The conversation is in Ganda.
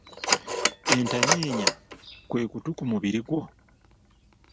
Entanyeenya kwe kutu ku mubiri gwo?